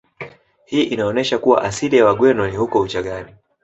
Hii inaonesha kuwa asili ya Wagweno ni huko Uchagani